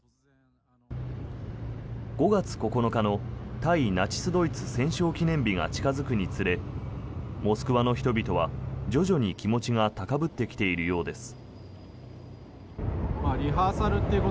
５月９日の対ナチス・ドイツ戦勝記念日が近付くにつれモスクワの人々は徐々に気持ちが高ぶってきているようです。